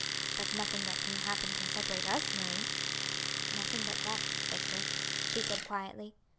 "But nothing that can happen can separate us, Marie." "Nothing but death, Victor," she said quietly.